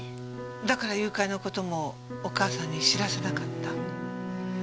だから誘拐の事もお母さんに知らせなかった？